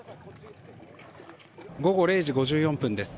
午後０時５４分です。